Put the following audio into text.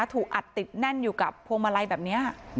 ถูกอัดติดแน่นอยู่กับพวงมาลัยแบบนี้